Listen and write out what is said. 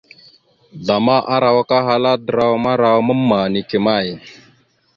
Zlama arawak ahala: draw marawa mamma neke may ?